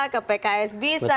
ke pks bisa